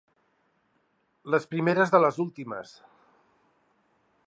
Les primeres de les últimes.